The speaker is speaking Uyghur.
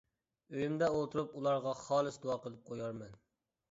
ئۆيۈمدە ئولتۇرۇپ ئۇلارغا خالىس دۇئا قىلىپ قويارمەن.